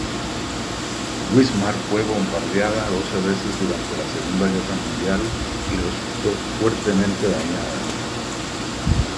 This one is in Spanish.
Wismar fue bombardeada doce veces durante la Segunda Guerra Mundial y resultó fuertemente dañada.